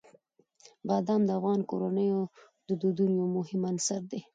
بادام د افغان کورنیو د دودونو یو مهم عنصر دی.